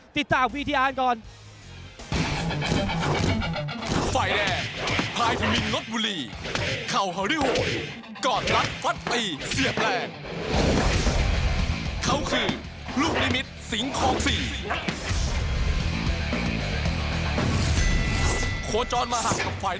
ติดตามวิทยาลก่อน